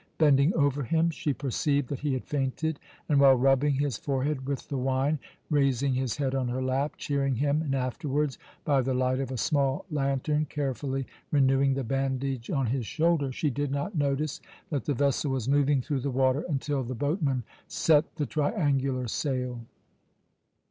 Bending over him, she perceived that he had fainted, and while rubbing his forehead with the wine, raising his head on her lap, cheering him, and afterwards by the light of a small lantern carefully renewing the bandage on his shoulder, she did not notice that the vessel was moving through the water until the boatman set the triangular sail.